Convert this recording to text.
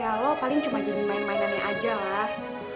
ya lo paling cuma jadi main mainannya aja lah